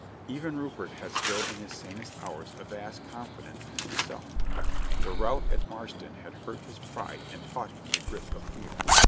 Even Rupert had still in his sanest hours a vast confidence in himself. The rout at Marston had hurt his pride and taught him the grip of fear.